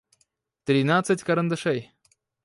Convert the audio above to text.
тринадцать карандашей